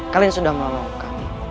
kalian sudah melolong kami